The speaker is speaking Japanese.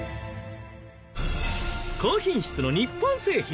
高品質の日本製品。